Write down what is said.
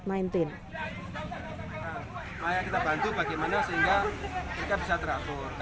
kita bantu bagaimana sehingga mereka bisa teratur